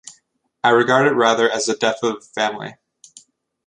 I regard it rather as a death of the family.